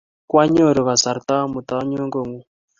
Kwanyoru kasarta amut anyon kong'ung'